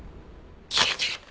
消えてる。